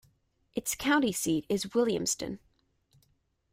Its county seat is Williamston.